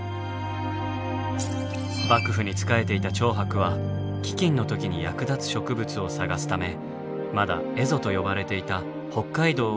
幕府に仕えていた長伯は飢饉の時に役立つ植物を探すためまだ蝦夷と呼ばれていた北海道を調査。